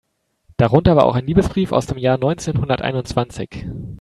Darunter war auch ein Liebesbrief aus dem Jahr neunzehnhunderteinundzwanzig.